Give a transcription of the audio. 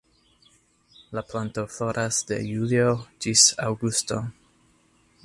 La planto floras de julio ĝis aŭgusto.